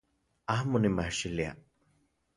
Amo nimajxilia